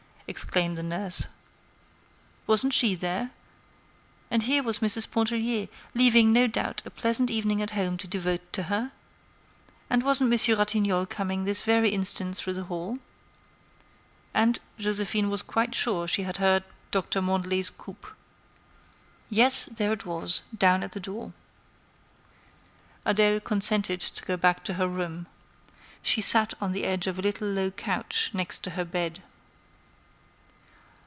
exclaimed the nurse. Wasn't she there? And here was Mrs. Pontellier leaving, no doubt, a pleasant evening at home to devote to her? And wasn't Monsieur Ratignolle coming that very instant through the hall? And Joséphine was quite sure she had heard Doctor Mandelet's coupé. Yes, there it was, down at the door. Adèle consented to go back to her room. She sat on the edge of a little low couch next to her bed.